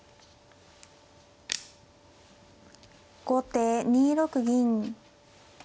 後手２六銀。